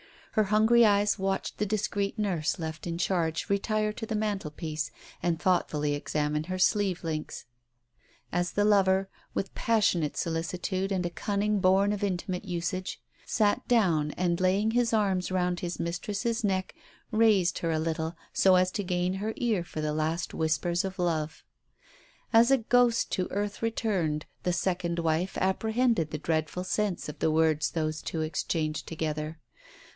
Her hungry eyes watched the discreet nurse left in charge retire to the mantelpiece and thoughtfully examine her sleeve links, as the lover, with passionate solicitude and a cunning born of intimate usage, sat down and laying his arms round his mistress's neck, raised her a little, so as to gain her ear for the last whispers of love. As a ghost to earth returned, the second wife appre hended the dreadful sense of the words those two exchanged together.